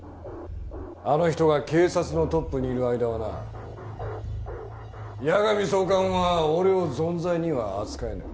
あの人が警察のトップにいる間はな矢上総監は俺をぞんざいには扱えない。